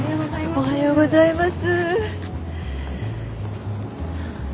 おはようございます。